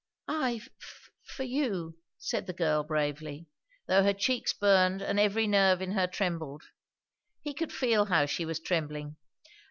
"I for you," said the girl bravely; though her cheeks burned and every nerve in her trembled. He could feel how she was trembling.